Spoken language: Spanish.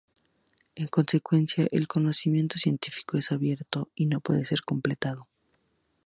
En consecuencia, el conocimiento científico es abierto y no puede ser completo.